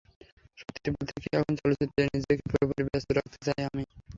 সত্যি বলতে কি, এখন চলচ্চিত্রে নিজেকে পুরোপুরি ব্যস্ত রাখতে চাই আমি।